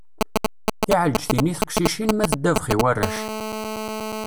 Tiɛleǧtin i teqcicin ma d ddabax i warrac.